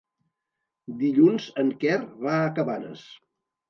Dilluns en Quer va a Cabanes.